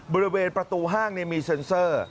บริเวณประตูห้างมีเซ็นเซอร์